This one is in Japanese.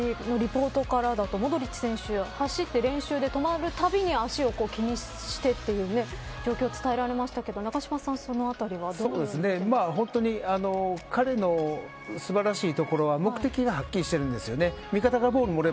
現地のリポートからだとモドリッチ選手走って練習で止まるたびに足を気にしてという状況が伝えられましたけど永島さん、そのあたりは彼の素晴らしいところは目的がはっきりしてるんです。